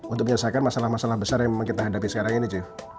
untuk menyelesaikan masalah masalah besar yang memang kita hadapi sekarang ini jeff